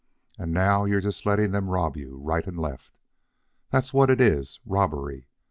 And now you're just letting them rob you right and left. That's what it is robbery.